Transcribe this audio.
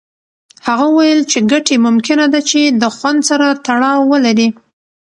هغه وویل چې ګټې ممکنه ده چې د خوند سره تړاو ولري.